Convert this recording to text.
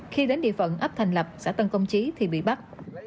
khi đến địa phận ấp thành lập xã tân công trí thì bị bắt